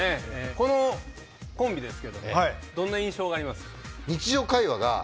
このコンビですけれどもどんな印象がありますか？